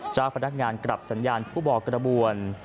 เจ้าพนักงานกลับสัญญาณผู้บอกกระบวน